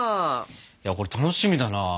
いやこれ楽しみだなあ。